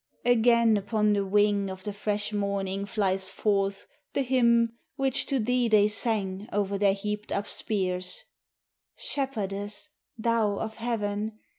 Again upon the wing of the fresh morning flies forth The hymn which to thee they sang over their heaped up spears: "Shepherdess thou of heaven!